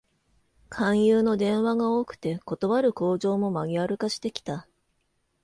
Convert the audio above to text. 勧誘の電話が多くて、断る口上もマニュアル化してきた